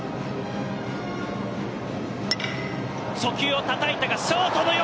初球をたたいたが、ショートの横。